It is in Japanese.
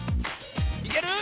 いける？